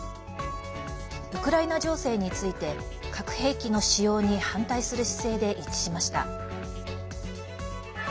ウクライナ情勢について核兵器の使用に反対する姿勢で一致しました。